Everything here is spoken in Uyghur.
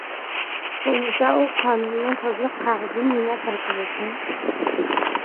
بولمىسا ئۇ قانۇننىڭ تازىلىق قەغىزىدىن نېمە پەرقى بولسۇن.